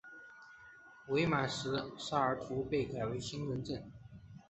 伪满时萨尔图被改为兴仁镇。